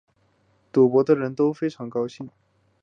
赌博的人都十分高兴